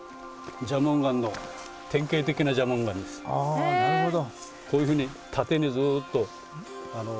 あなるほど。